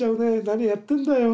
何やってんだよ。